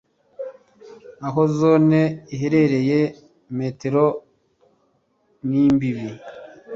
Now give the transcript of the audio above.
aho Zone iherereye metero n imbibi